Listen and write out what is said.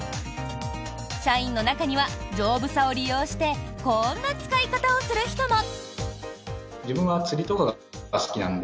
社員の中には、丈夫さを利用してこんな使い方をする人も。